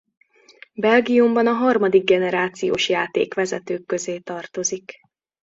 Belgiumban a harmadik generációs játékvezetők közé tartozik.